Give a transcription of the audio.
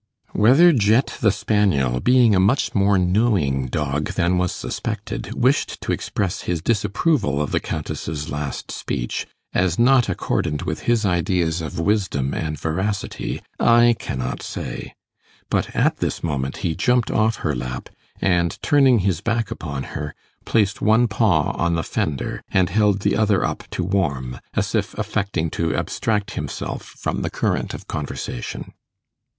Whether Jet the spaniel, being a much more knowing dog than was suspected, wished to express his disapproval of the Countess's last speech, as not accordant with his ideas of wisdom and veracity, I cannot say; but at this moment he jumped off her lap, and, turning his back upon her, placed one paw on the fender, and held the other up to warm, as if affecting to abstract himself from the current of conversation.